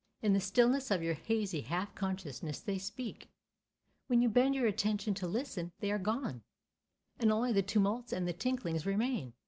In the stillness of your hazy half consciousness they speak; when you bend your attention to listen, they are gone, and only the tumults and the tinklings remain.